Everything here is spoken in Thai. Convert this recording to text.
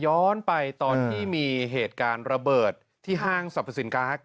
ย้อนไปตอนที่มีเหตุการณ์ระเบิดที่ห้างสรรพสินค้า